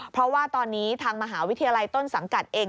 เพราะว่าตอนนี้ทางมหาวิทยาลัยต้นสังกัดเอง